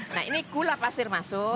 nah ini gula pasir masuk